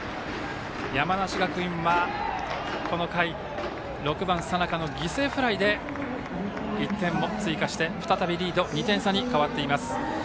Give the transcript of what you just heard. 山梨学院は、この回６番、佐仲の犠牲フライで１点を追加して再びリードは２点差に変わっています。